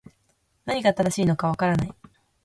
何が正しいのか分からない